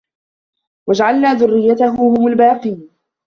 وَجَعَلنا ذُرِّيَّتَهُ هُمُ الباقينَ